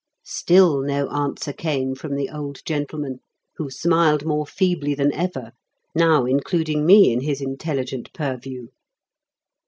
Still no answer came from the old gentleman, who smiled more feebly than ever, now including me in his intelligent purview.